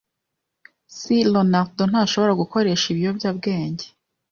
C Ronaldo ntashobora gukoresha ibiyobyabwenge